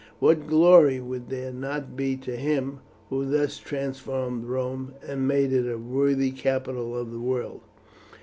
What glory would there not be to him who thus transformed Rome, and made it a worthy capital of the world!